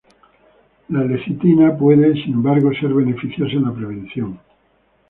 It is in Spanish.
La lecitina puede, sin embargo, ser beneficiosa en la prevención.